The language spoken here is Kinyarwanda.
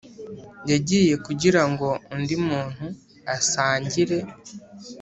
yagiye kugirango undi muntu asangire